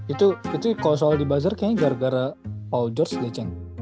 itu itu kalo soal di buzzer kayaknya gara gara paul george leceng